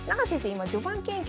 今序盤研究